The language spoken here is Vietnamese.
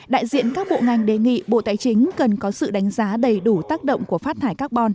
đại diện các bộ ngành đề nghị bộ tài chính cần có sự đánh giá đầy đủ tác động của phát thải carbon